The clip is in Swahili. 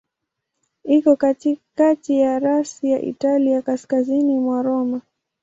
Iko katikati ya rasi ya Italia, kaskazini kwa Roma.